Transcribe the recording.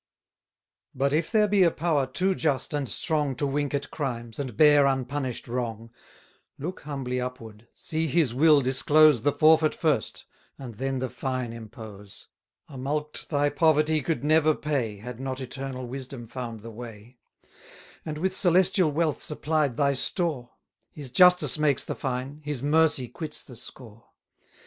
But if there be a Power too just and strong To wink at crimes, and bear unpunish'd wrong, 100 Look humbly upward, see His will disclose The forfeit first, and then the fine impose: A mulct thy poverty could never pay, Had not Eternal Wisdom found the way: And with celestial wealth supplied thy store: His justice makes the fine, His mercy quits the score.